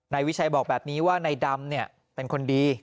นายวิชัยบอกแบบนี้ว่าในน้ำเนี่ยเป็นคนดี